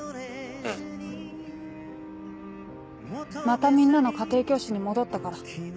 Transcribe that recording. またみんなの家庭教師に戻ったから。